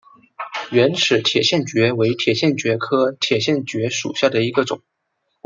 圆齿铁线蕨为铁线蕨科铁线蕨属下的一个种。